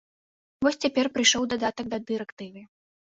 Вось цяпер прыйшоў дадатак да дырэктывы.